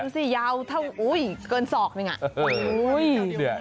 ดูสิยาวเกิน๒นิ้วนึง